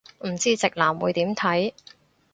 唔知直男會點睇